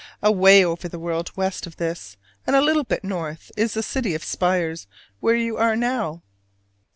Away over the world west of this and a little bit north is the city of spires where you are now.